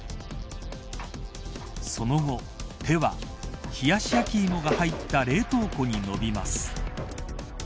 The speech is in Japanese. その後、手は冷やし焼き芋が入った冷凍庫にのびます。